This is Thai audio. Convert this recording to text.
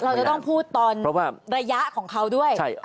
เราจะต้องพูดตอนระยะของเขาด้วย